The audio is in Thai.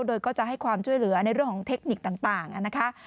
โดยก็จะให้ความช่วยเหลือในเรื่องของเทคนิคต่างนะคะ